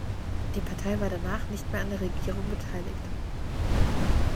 Die Partei war danach nicht mehr an der Regierung beteiligt.